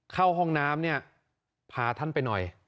เข้าห้องน้ำเนี่ยพาท่านไปหน่อย